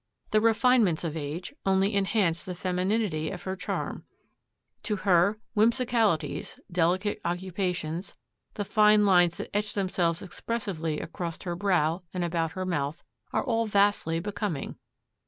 The refinements of age only enhance the femininity of her charm; to her, whimsicalities, delicate occupations, the fine lines that etch themselves expressively across her brow and about her mouth, are all vastly becoming.